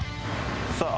さあ